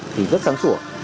thì rất sáng sáng